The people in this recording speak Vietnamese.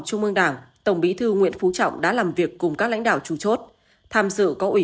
chung mương đảng tổng bí thư nguyễn phú trọng đã làm việc cùng các lãnh đạo chủ chốt tham dự có